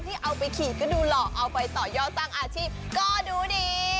เอาไปขี่ก็ดูหล่อเอาไปต่อยอดสร้างอาชีพก็ดูดี